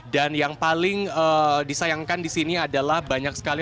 dan yang paling disayangkan di sini adalah banyak sekali